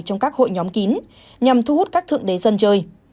trong các hội nhóm kín nhằm thu hút các thượng đế dân chơi